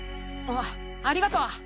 あありがとう。